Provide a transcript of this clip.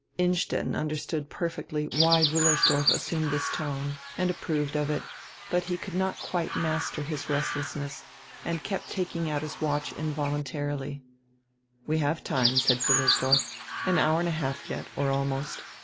Innstetten understood perfectly why Wiillersdorf as sumed this tone, and approved of it, hut he could not quite master his resdessness and kept taking out his watch in voluntarily. "We have time," said Wiillersdorf. "An hour and a half yet, or almost.